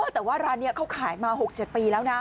แต่ว่าร้านนี้เขาขายมา๖๗ปีแล้วนะ